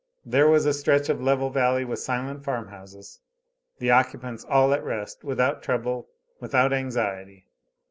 There was a stretch of level valley with silent farm houses, the occupants all at rest, without trouble, without anxiety.